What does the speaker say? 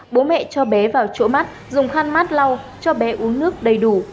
bố mẹ cho bé vào chỗ mắt dùng khăn mát lau cho bé uống nước đầy đủ